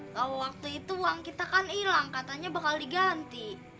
kalau waktu itu uang kita kan hilang katanya bakal diganti